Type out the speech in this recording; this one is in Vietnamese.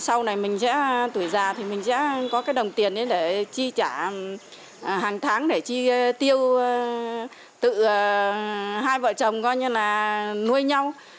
sau này mình sẽ tuổi già thì mình sẽ có cái đồng tiền để chi trả hàng tháng để chi tiêu tự hai vợ chồng coi như là nuôi nhau